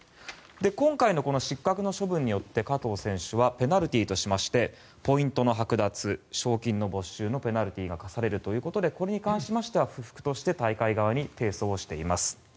今回の失格の処分によって加藤選手はペナルティーとしましてポイントのはく奪賞金の没収のペナルティーが科されるということでこれに関しては不服として大会側に提訴しています。